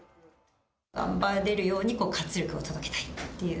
頑張れるように活力を届けたいっていう。